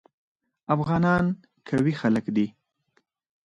افغانان قوي خلک دي.